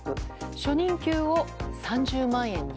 初任給を３０万円に。